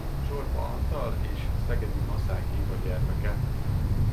Csorba Antal és Szegedy-Maszák Éva gyermeke.